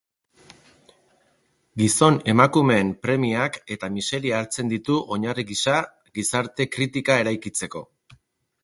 Gizon-emakumeen premiak eta miseria hartzen ditu oinarri gisa gizarte-kritika eraikitzeko.